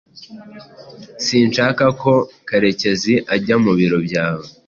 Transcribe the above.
Sinshaka ko Karekezi ajya mu biro byawe.